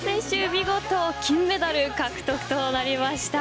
見事、金メダル獲得となりました。